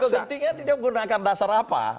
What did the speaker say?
kegentingan itu menggunakan dasar apa